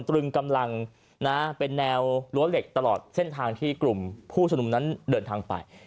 ตรึงกำลังนะเป็นแนวรั้วเหล็กตลอดเส้นทางที่กลุ่มผู้ชมนุมนั้นเดินทางไป